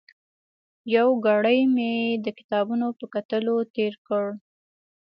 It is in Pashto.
یو ګړی مې د کتابونو په کتلو تېر کړ.